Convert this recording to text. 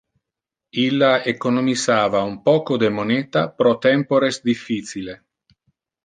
Illa economisava un poco de moneta pro tempores difficile.